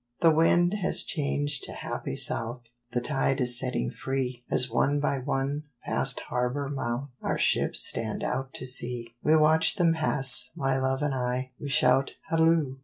The wind has changed to happy south, The tide is setting free, As one by one, past harbor mouth, Our ships stand out to sea. We watch them pass, my love and I; We shout Halloo!